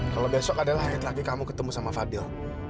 kalau besok adalah akhir lagi kamu ketemu sama fadil